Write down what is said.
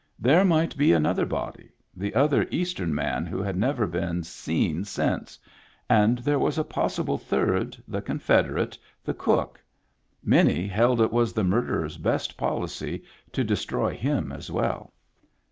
There might be another body, — the other East em man who had never been seen since, — and there was a possible third, the confederate, the cook ; many held it was the murderer's best pol icy to destroy him as well.